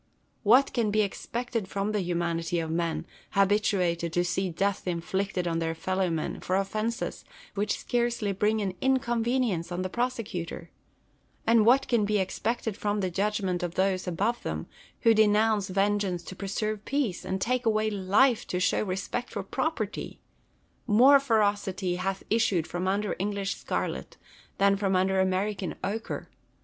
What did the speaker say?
What can be expected from the humanity of men, habituated to see death inflicted on their fellow men, for offences which scarcely bring an inconvenience on the prosecutor ? And wliat can be expected from the judgment of those above BO UL TER AND SA VA GE. 121 them, who denounce vengeance to preserve peace, and take away life to show respect for property 1 More ferocity hath issued from under English scarlet than from under Ameri can ochre.